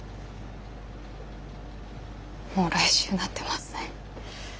もう来週になってますね。